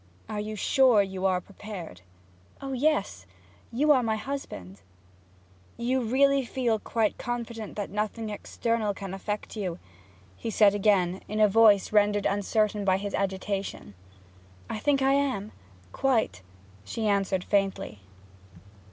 'Are you sure you are prepared?' 'O yes! You are my husband.' 'You really feel quite confident that nothing external can affect you?' he said again, in a voice rendered uncertain by his agitation. 'I think I am quite,' she answered faintly.